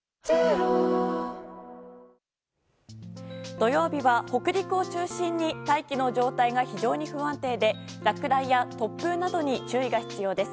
土曜日は、北陸を中心に大気の状態が非常に不安定で落雷や突風などに注意が必要です。